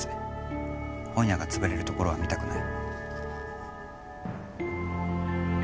本屋が潰れるところは見たくない。